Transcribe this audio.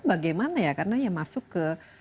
bagaimana ya karena ya masuk ke